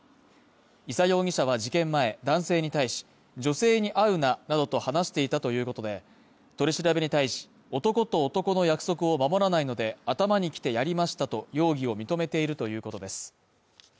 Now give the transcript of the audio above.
伊佐容疑者は事件前、男性に対し、女性に会うななどと話していたということで、取り調べに対し、男と男の約束を守らないので頭にきてやりましたと容疑を認めているということです。